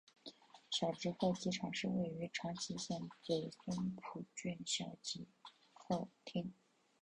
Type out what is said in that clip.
小值贺机场是位于长崎县北松浦郡小值贺町。